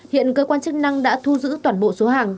hiện cơ quan chức năng đã thu giữ toàn bộ số hàng